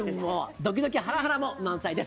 ドキドキハラハラも満載です。